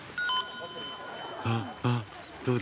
あっあっどうだ？